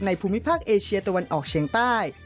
ภูมิภาคเอเชียตะวันออกเฉียงใต้